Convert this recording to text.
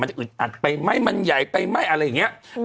จะอึดอัดไปไหมมันใหญ่ไปไหม้อะไรอย่างนี้